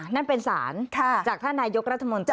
นั่นเป็นสารจากท่านนายกรัฐมนตรี